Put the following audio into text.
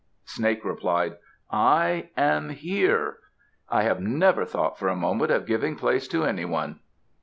Snake replied, "I am here. I have never thought for a moment of giving place to anyone!"